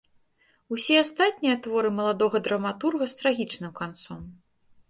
Усе астатнія творы маладога драматурга з трагічным канцом.